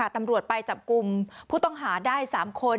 ตำรวจไปจับกลุ่มผู้ต้องหาได้๓คน